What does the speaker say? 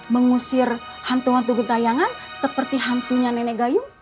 mengusir hantu hantu gentayangan seperti hantunya nenek gayung